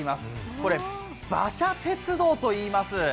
これ、馬車鉄道といいます。